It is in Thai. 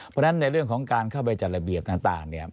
เพราะฉะนั้นในเรื่องของการเข้าไปจัดระเบียบต่างเนี่ย